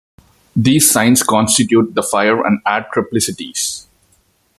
These signs constitute the fire and air triplicities.